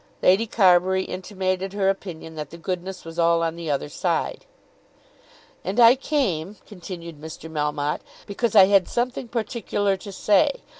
Lady Carbury intimated her opinion that the goodness was all on the other side. "And I came," continued Mr. Melmotte, "because I had something particular to say.